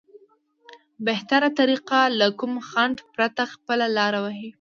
بهتره طريقه له کوم خنډ پرته خپله لاره ووهي.